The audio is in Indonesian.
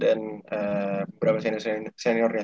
dan berapa senior seniornya